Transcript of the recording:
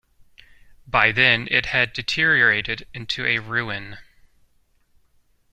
By then it had deteriorated into a ruin.